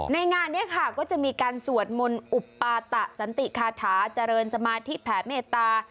งานนี้ค่ะก็จะมีการสวดมนต์อุปาตะสันติคาถาเจริญสมาธิแผ่เมตตา